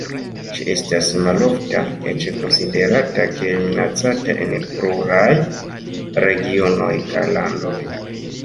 Ĝi estas malofta, eĉ konsiderata kiel minacata en pluraj regionoj kaj landoj.